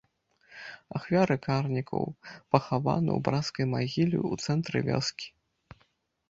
Ахвяры карнікаў пахаваны ў брацкай магіле ў цэнтры вёскі.